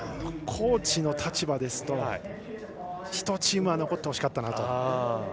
コーチの立場ですと１チームは残ってほしかったなと。